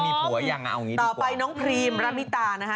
มีผัวยังเอาอย่างนี้ดีกว่าต่อไปน้องพรีมรัมมิตานะฮะ